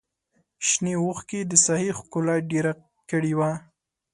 شنې وښکې د ساحې ښکلا ډېره کړې وه.